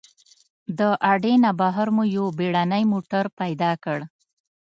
د اډې نه بهر مو یو بېړنی موټر پیدا کړ.